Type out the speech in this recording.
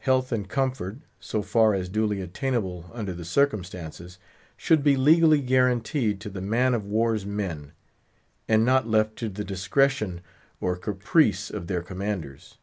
Health and comfort—so far as duly attainable under the circumstances—should be legally guaranteed to the man of war's men; and not left to the discretion or caprice of their commanders.